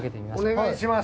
お願いします。